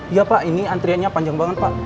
iya pak ini antriannya panjang banget pak